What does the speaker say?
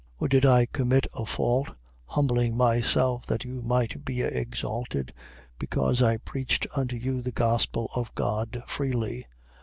11:7. Or did I commit a fault, humbling myself that you might be exalted, because I preached unto you the Gospel of God freely?